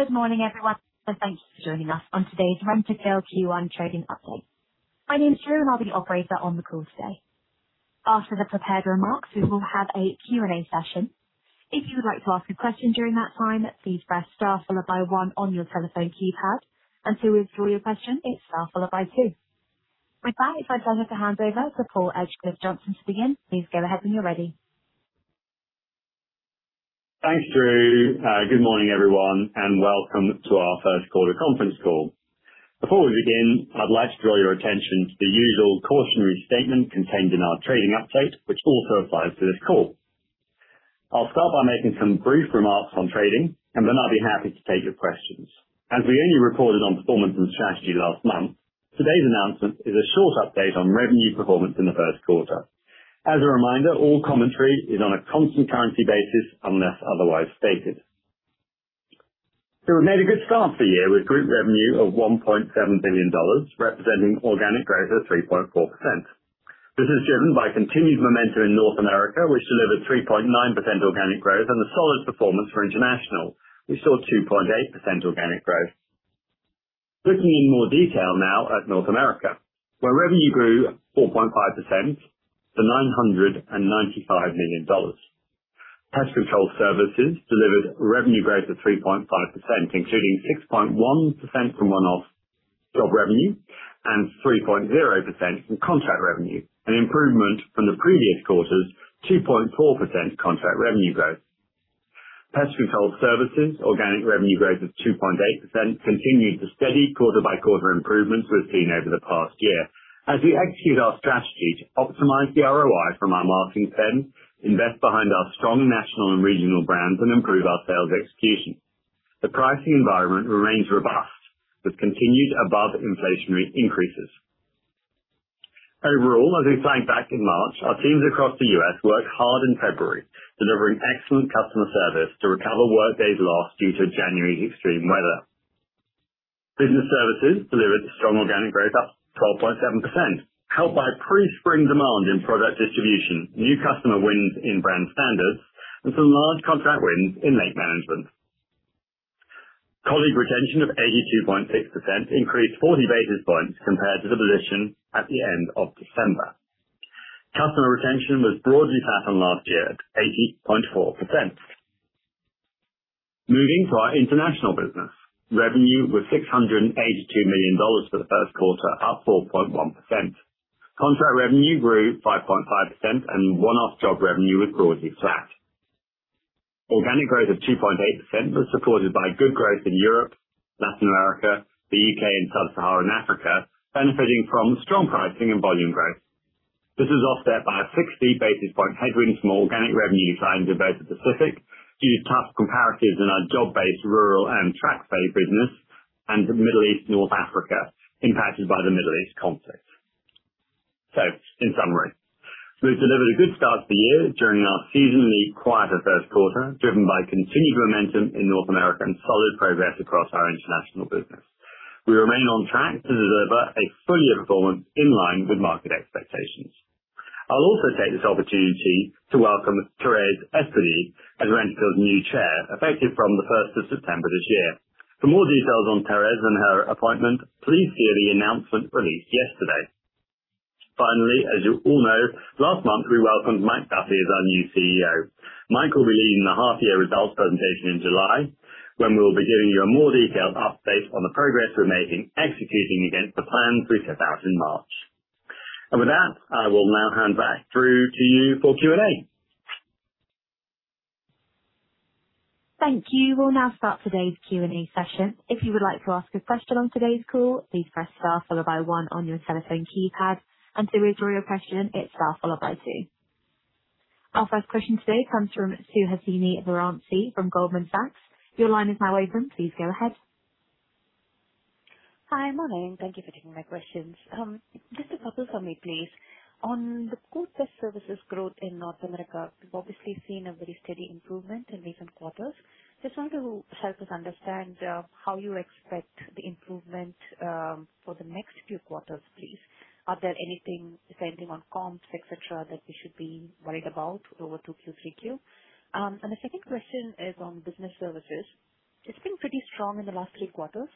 Good morning, everyone, and thank you for joining us on today's Rentokil Q1 trading update. My name is Drew, and I'll be your operator on the call today. After the prepared remarks, we will have a Q&A session. If you would like to ask a question during that time, please press star followed by one on your telephone keypad, and to withdraw your question, it's star followed by two. With that, if I can have the handover to Paul Edgecliffe-Johnson to begin. Please go ahead when you're ready. Thanks, Drew. Good morning, everyone, and welcome to our first quarter conference call. Before we begin, I'd like to draw your attention to the usual cautionary statement contained in our trading update, which also applies to this call. I'll start by making some brief remarks on trading, and then I'll be happy to take your questions. As we only reported on performance and strategy last month, today's announcement is a short update on revenue performance in the first quarter. As a reminder, all commentary is on a constant currency basis unless otherwise stated. We made a good start to the year with group revenue of $1.7 billion, representing organic growth of 3.4%. This is driven by continued momentum in North America, which delivered 3.9% organic growth, and a solid performance for International, which saw 2.8% organic growth. Looking in more detail now at North America, where revenue grew 4.5% to $995 million. Pest Control Services delivered revenue growth of 3.5%, including 6.1% from one-off job revenue and 3.0% from contract revenue, an improvement from the previous quarter's 2.4% contract revenue growth. Pest Control Services organic revenue growth of 2.8% continued the steady quarter-by-quarter improvements we've seen over the past year. As we execute our strategy to optimize the ROI from our marketing spend, invest behind our strong national and regional brands, and improve our sales execution. The pricing environment remains robust with continued above-inflationary increases. Overall, as we said back in March, our teams across the U.S. worked hard in February, delivering excellent customer service to recover workdays lost due to January's extreme weather. Business Services delivered a strong organic growth up 12.7%, helped by pre-spring demand in product distribution, new customer wins in brand standards, and some large contract wins in Lake Management. Colleague retention of 82.6% increased 40 basis points compared to the position at the end of December. Customer retention was broadly flat on last year at 80.4%. Moving to our international business. Revenue was $682 million for the first quarter, up 4.1%. Contract revenue grew 5.5%, and one-off job revenue was broadly flat. Organic growth of 2.8% was supported by good growth in Europe, Latin America, the U.K., and Sub-Saharan Africa, benefiting from strong pricing and volume growth. This is offset by a 60 basis point headwind from organic revenue found in Greater Pacific due to tough comparatives in our job-based rural and track-based business, and Middle East North Africa impacted by the Middle East conflict. In summary, we've delivered a good start to the year during our seasonally quieter first quarter, driven by continued momentum in North America and solid progress across our international business. We remain on track to deliver a full-year performance in line with market expectations. I'll also take this opportunity to welcome Thérèse Esperdy as Rentokil's new Chair, effective from the first of September this year. For more details on Thérèse and her appointment, please hear the announcement released yesterday. Finally, as you all know, last month, we welcomed Mike Duffy as our new CEO. Mike will be leading the half-year results presentation in July, when we will be giving you a more detailed update on the progress we're making executing against the plan we set out in March. With that, I will now hand back Drew to you for Q&A. Thank you. We'll now start today's Q&A session. If you would like to ask a question on today's call, please press star followed by one on your telephone keypad. To withdraw your question, it's star followed by two. Our first question today comes from Suhasini Varanasi at Goldman Sachs. Your line is now open. Please go ahead. Hi, morning. Thank you for taking my questions. Just a couple for me, please. On the Pest Control Services growth in North America, we've obviously seen a very steady improvement in recent quarters. Just wanted to help us understand how you expect the improvement for the next few quarters, please. Is there anything on comps, et cetera, that we should be worried about over 2Q, 3Q? The second question is on Business Services. It's been pretty strong in the last three quarters.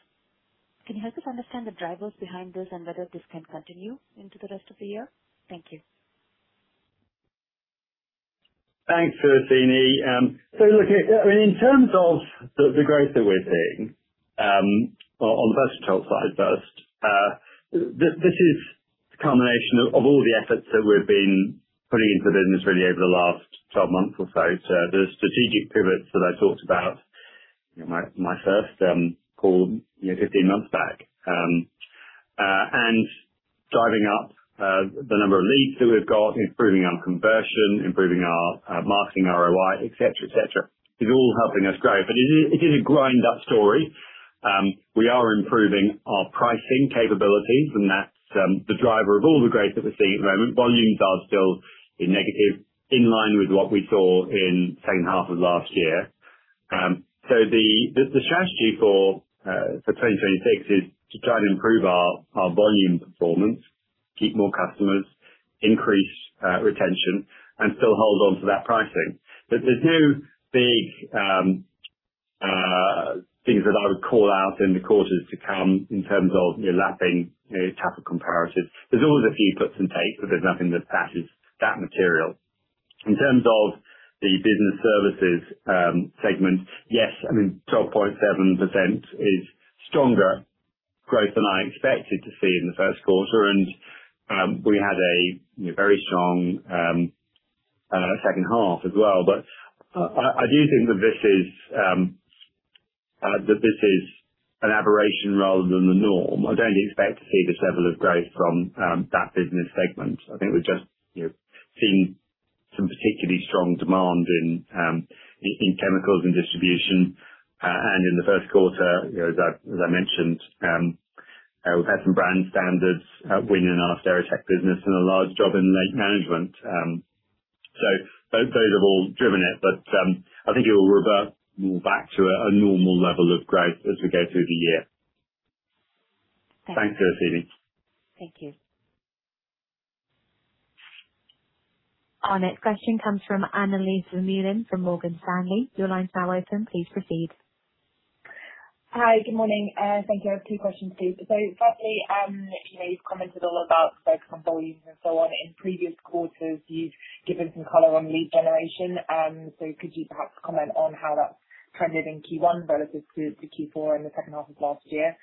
Can you help us understand the drivers behind this and whether this can continue into the rest of the year? Thank you. Thanks, Suhasini. Look, in terms of the growth that we're seeing, on the Pest Control side first, this is the culmination of all the efforts that we've been putting into the business really over the last 12 months or so. The strategic pivots that I talked about in my first call 15 months back, and driving up the number of leads that we've got, improving our conversion, improving our marketing ROI, et cetera. It's all helping us grow, but it is a grind up story. We are improving our pricing capabilities, and that's the driver of all the growth that we're seeing at the moment. Volumes are still in negative, in line with what we saw in the same half of last year. The strategy for 2026 is to try to improve our volume performance. Keep more customers, increase retention, and still hold on to that pricing. There's no big things that I would call out in the quarters to come in terms of your lapping type of comparatives. There's always a few puts and takes, but there's nothing that is that material. In terms of the Business Services segment, yes, 12.7% is stronger growth than I expected to see in the first quarter. We had a very strong second half as well. I do think that this is an aberration rather than the norm. I don't expect to see this level of growth from that business segment. I think we've just seen some particularly strong demand in chemicals and distribution. In the first quarter, as I mentioned, we've had some brand standards win in our Steritech business and a large job in Lake Management. Those have all driven it, but I think it will revert back to a normal level of growth as we go through the year. Thanks, Suhasini. Thank you. Our next question comes from Annelies Vermeulen from Morgan Stanley. Your line is now open. Please proceed. Hi, good morning. Thank you. I have two questions, please. Firstly, you've commented all about focus on volumes and so on. In previous quarters, you've given some color on lead generation. Could you perhaps comment on how that's trended in Q1 relative to Q4 in the second half of last year?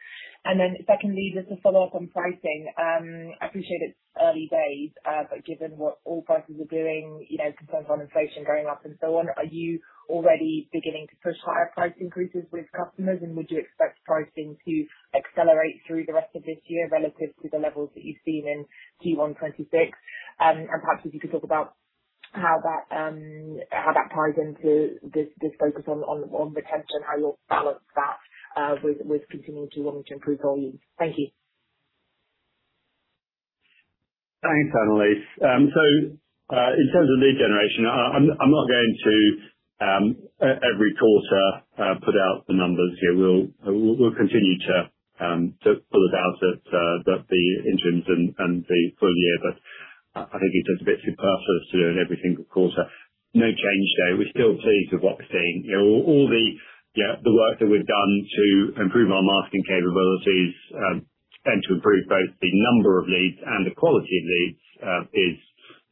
Then secondly, just to follow up on pricing. I appreciate it's early days, but given what oil prices are doing, concerns on inflation going up, and so on, are you already beginning to push higher price increases with customers? Would you expect pricing to accelerate through the rest of this year relative to the levels that you've seen in Q1 2026? Perhaps if you could talk about how that ties into this focus on retention, how you'll balance that with continuing to improve volumes. Thank you. Thanks, Annelies. In terms of lead generation, I'm not going to, every quarter, put out the numbers here. We'll continue to pull it out at the interims and the full year, but I think it's a bit superfluous to do it every single quarter. No change there. We're still pleased with what we're seeing. All the work that we've done to improve our marketing capabilities and to improve both the number of leads and the quality of leads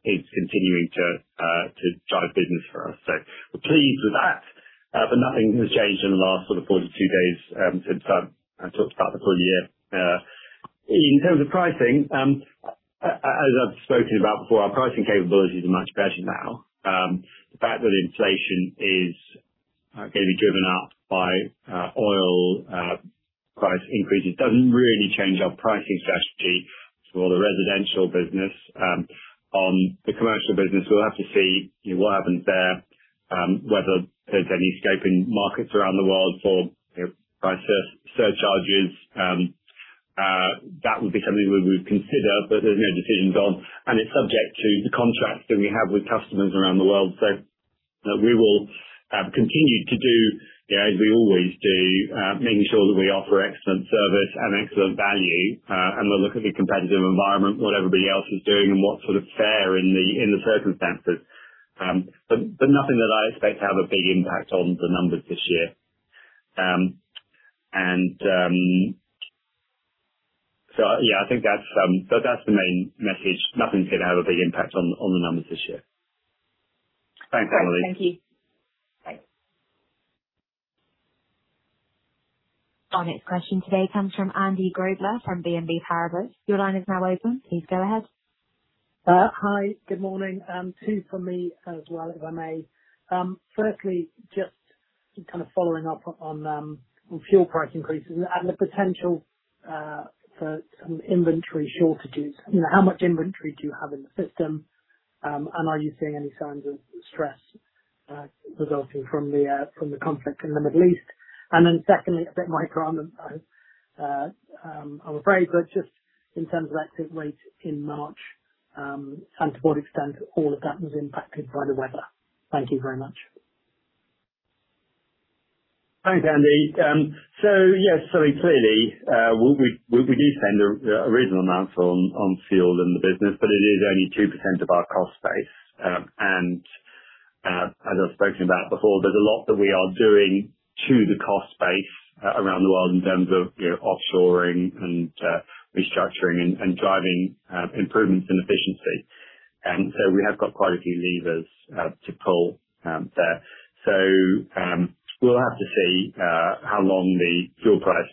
is continuing to drive business for us. We're pleased with that. Nothing has changed in the last sort of 42 days since I talked about the full year. In terms of pricing, as I've spoken about before, our pricing capabilities are much better now. The fact that inflation is going to be driven up by oil price increases doesn't really change our pricing strategy for the residential business. On the commercial business, we'll have to see what happens there, whether there's any escalating markets around the world for price surcharges. That would be something we would consider, but there's no decision on, and it's subject to the contracts that we have with customers around the world. We will continue to do as we always do, making sure that we offer excellent service and excellent value. We'll look at the competitive environment, what everybody else is doing, and what's sort of fair in the circumstances. Nothing that I expect to have a big impact on the numbers this year. Yeah, I think that's the main message. Nothing is going to have a big impact on the numbers this year. Thanks, Annelies. Thank you. Our next question today comes from Andy Grobler from BNP Paribas. Your line is now open. Please go ahead. Hi. Good morning. Two from me as well, if I may. Firstly, just kind of following up on fuel price increases and the potential for some inventory shortages. How much inventory do you have in the system? And are you seeing any signs of stress resulting from the conflict in the Middle East? Secondly, a bit micro on them, I'm afraid, but just in terms of exit rates in March, to what extent all of that was impacted by the weather? Thank you very much. Thanks, Andy. Yes, so clearly, we do spend a reasonable amount on fuel in the business, but it is only 2% of our cost base. As I've spoken about before, there's a lot that we are doing to the cost base around the world in terms of offshoring and restructuring and driving improvements in efficiency. We have got quite a few levers to pull there. We'll have to see how long the fuel price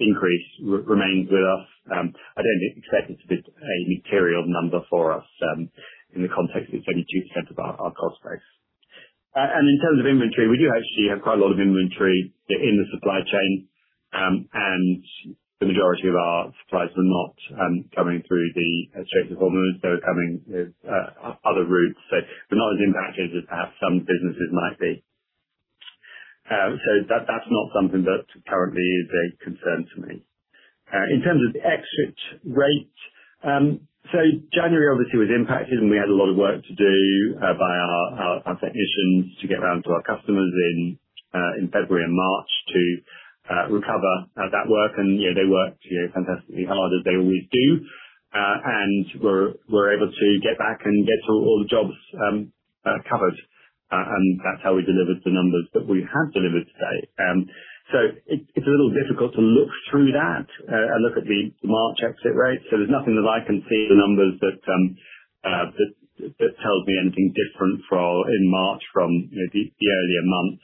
increase remains with us. I don't expect it to be a material number for us in the context of it's only 2% of our cost base. In terms of inventory, we do actually have quite a lot of inventory in the supply chain, and the majority of our supplies are not coming through the Strait of Hormuz. They're coming other routes. We're not as impacted as perhaps some businesses might be. That's not something that currently is a concern to me. In terms of the exit rate, so January obviously was impacted, and we had a lot of work to do by our technicians to get around to our customers in February and March to recover that work. They worked fantastically hard, as they always do, they were able to get back and get all the jobs covered. That's how we delivered the numbers that we have delivered today. It's a little difficult to look through that and look at the March exit rate. There's nothing that I can see in the numbers that tells me anything different in March from the earlier months.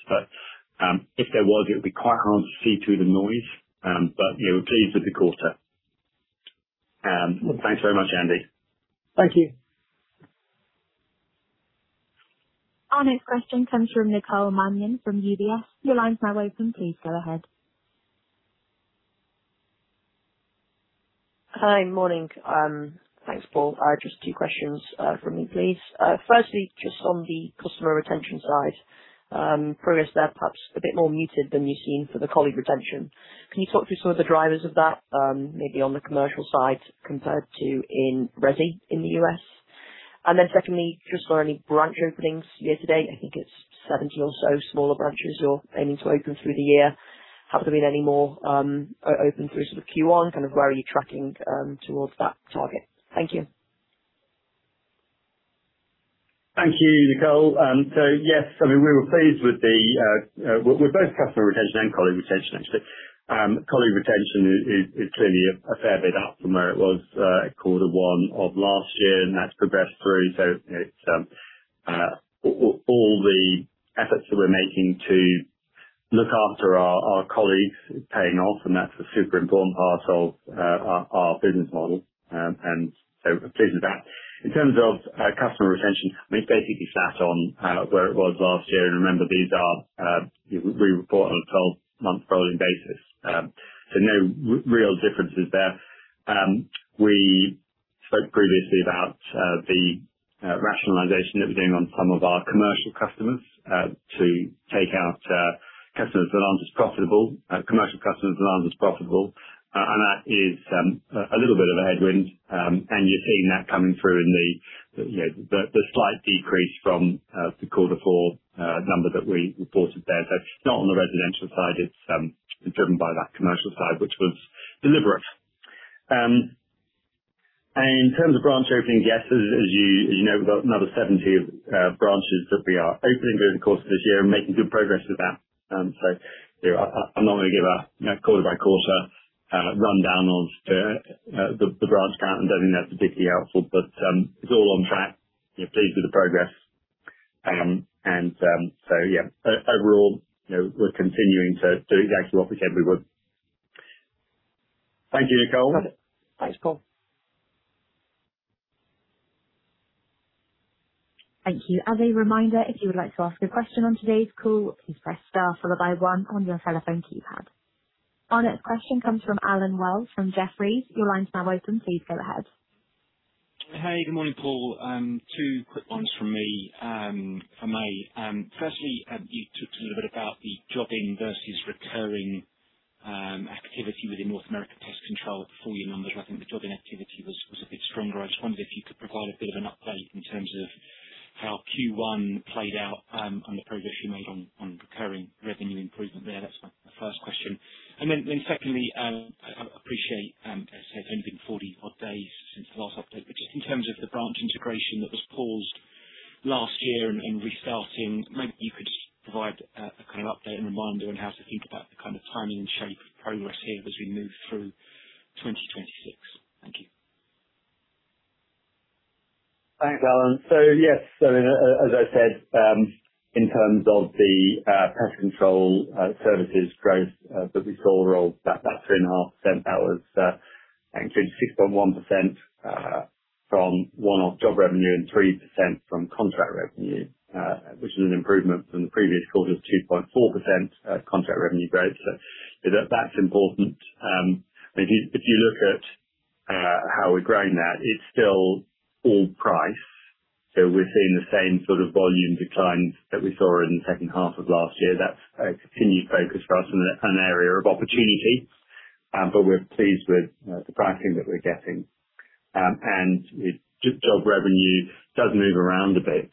If there was, it would be quite hard to see through the noise. We're pleased with the quarter. Thanks very much, Andy. Thank you. Our next question comes from Nicole Manion from UBS. Your line's now open. Please go ahead. Hi. Morning. Thanks, Paul. Just two questions from me, please. Firstly, just on the customer retention side, progress there perhaps a bit more muted than we've seen for the colleague retention. Can you talk through some of the drivers of that, maybe on the commercial side compared to in Resi in the U.S.? Then secondly, just on any branch openings year to date, I think it's 70 or so smaller branches you're aiming to open through the year. Have there been any more open through to Q1, kind of where are you tracking towards that target? Thank you. Thank you, Nicole. Yes, we were pleased with both customer retention and colleague retention actually. Colleague retention is clearly a fair bit up from where it was at quarter one of last year, and that's progressed through. All the efforts that we're making to look after our colleagues is paying off, and that's a super important part of our business model. We're pleased with that. In terms of customer retention, we've basically sat on where it was last year. Remember, we report on a 12-month rolling basis. No real differences there. We spoke previously about the rationalization that we're doing on some of our commercial customers to take out customers that aren't as profitable, commercial customers that aren't as profitable. That is a little bit of a headwind. You're seeing that coming through in the slight decrease from the quarter four number that we reported there. It's not on the residential side, it's driven by that commercial side, which was deliberate. In terms of branch opening, yes, as you know, we've got another 70 branches that we are opening during the course of this year, and making good progress with that. I'm not going to give a quarter-by-quarter rundown of the branch count. I don't think that's particularly helpful, but it's all on track. We're pleased with the progress. Yeah, overall, we're continuing to do exactly what we said we would. Thank you, Nicole. Got it. Thanks, Paul. Thank you. As a reminder, if you would like to ask a question on today's call, please press star followed by one on your telephone keypad. Our next question comes from Allen Wells from Jefferies. Your line's now open. Please go ahead. Hey, good morning, Paul. Two quick ones from me, for me. Firstly, you talked a little bit about the jobbing versus recurring activity within North America Pest Control full year numbers. I think the jobbing activity was a bit stronger. I just wondered if you could provide a bit of an update in terms of how Q1 played out, and the progress you made on recurring revenue improvement there. That's my first question. Secondly, I appreciate, as I say, it's only been 40-odd days since the last update. Just in terms of the branch integration that was paused last year and restarting, maybe you could provide a kind of update and reminder on how to think about the kind of timing and shape of progress here as we move through 2026. Thank you. Thanks, Alan. Yes, as I said, in terms of the Pest Control Services growth that we saw overall, that 3.5%, that was included 6.1% from one-off job revenue and 3% from contract revenue, which is an improvement from the previous quarter's 2.4% contract revenue growth. That's important. If you look at how we're growing, that it's still all price. We're seeing the same sort of volume declines that we saw in the second half of last year. That's a continued focus for us and an area of opportunity. But we're pleased with the pricing that we're getting. Job revenue does move around a bit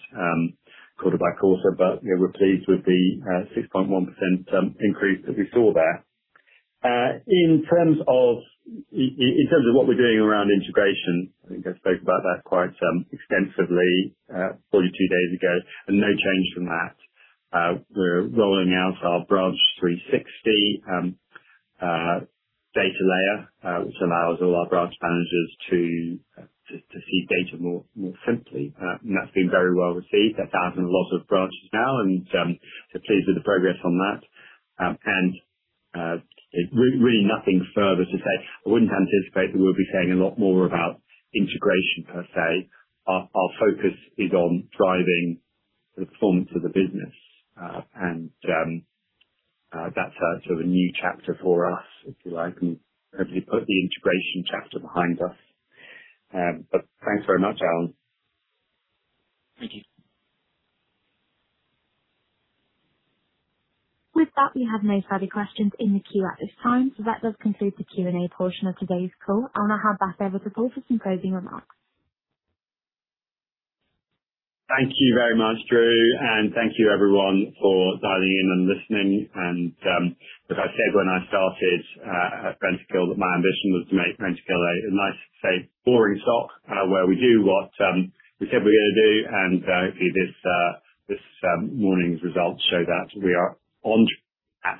quarter-by-quarter, but we're pleased with the 6.1% increase that we saw there. In terms of what we're doing around integration, I think I spoke about that quite extensively 42 days ago, and no change from that. We're rolling out our Branch 360 data layer, which allows all our branch managers to see data more simply. That's been very well received. That's out in a lot of branches now, and so pleased with the progress on that. Really nothing further to say. I wouldn't anticipate that we'll be saying a lot more about integration per se. Our focus is on driving the performance of the business. That's a sort of a new chapter for us, if you like, and hopefully put the integration chapter behind us. Thanks very much, Alan. Thank you. With that, we have no further questions in the queue at this time. That does conclude the Q&A portion of today's call. I'll now hand back over to Paul for some closing remarks. Thank you very much, Drew, and thank you, everyone, for dialing in and listening. As I said when I started at Rentokil, that my ambition was to make Rentokil a nice, safe, boring stock, where we do what we said we're gonna do. Hopefully, this morning's results show that we are on to that.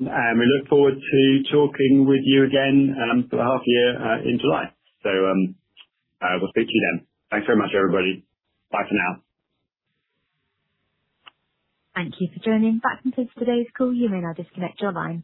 We look forward to talking with you again for the half-year in July. We'll speak to you then. Thanks very much, everybody. Bye for now. Thank you for joining. That concludes today's call. You may now disconnect your lines.